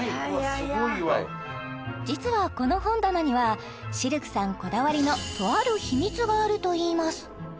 すごいわ実はこの本棚にはシルクさんこだわりのとある秘密があるといいます